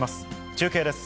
中継です。